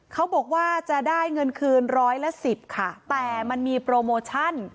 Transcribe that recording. เขาบอกว่าจะได้เงินคืนร้อยละสิบค่ะแต่มันมีโปรโมชั่น